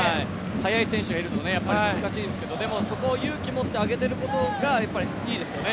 速い選手がいると難しいですけど、そこを勇気を持って上げていることがいいですよね。